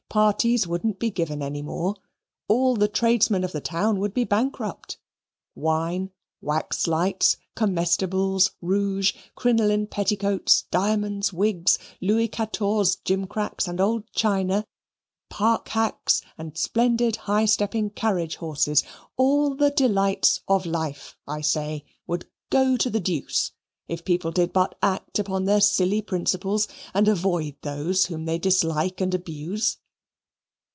Parties wouldn't be given any more. All the tradesmen of the town would be bankrupt. Wine, wax lights, comestibles, rouge, crinoline petticoats, diamonds, wigs, Louis Quatorze gimcracks, and old china, park hacks, and splendid high stepping carriage horses all the delights of life, I say, would go to the deuce, if people did but act upon their silly principles and avoid those whom they dislike and abuse.